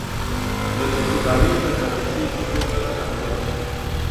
د ککو دانې د کرنسۍ په توګه کارولې.